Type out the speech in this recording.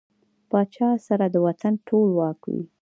پاچا سره د وطن ټول واک وي .